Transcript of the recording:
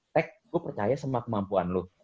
tek gue percaya semua kemampuan lu